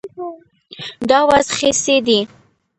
دا وز خسي دی